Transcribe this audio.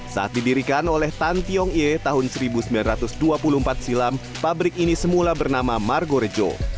saat didirikan oleh tan tiong ye tahun seribu sembilan ratus dua puluh empat silam pabrik ini semula bernama margorejo